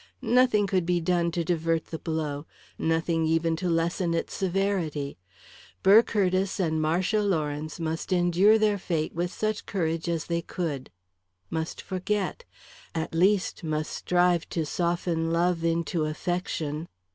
Nothing could be done to divert the blow; nothing even to lessen its severity. Burr Curtiss and Marcia Lawrence must endure their fate with such courage as they could; must forget; at least, must strive to soften love into affection.